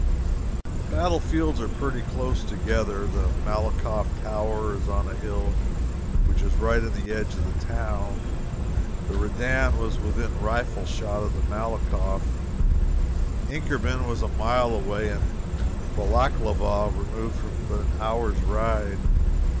The battle fields were pretty close together. The Malakoff tower is on a hill which is right in the edge of the town. The Redan was within rifle shot of the Malakoff; Inkerman was a mile away; and Balaklava removed but an hour's ride.